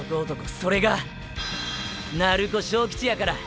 それが鳴子章吉やから。